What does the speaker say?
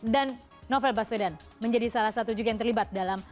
dan novel baswedan menjadi salah satu juga yang terlibat dalam